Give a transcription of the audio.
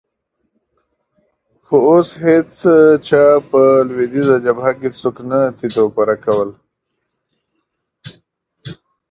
خو اوس هېڅ چا په لوېدیځه جبهه کې څوک نه تیت او پرک کول.